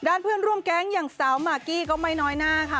เพื่อนร่วมแก๊งอย่างสาวมากกี้ก็ไม่น้อยหน้าค่ะ